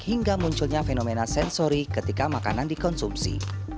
hingga munculnya fenomena sensori ketika makanan dikonsumsi